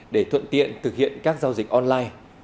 để thuận tiện thực hiện các giao dịch online